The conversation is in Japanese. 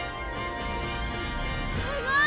すごい！